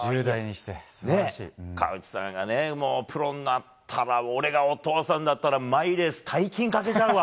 河内さんがプロになったら俺がお父さんだったら毎レース、大金をかけちゃうわ。